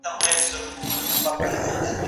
د ميرويس خان نيکه په نظر د غلامۍ ژوند ولي بد و؟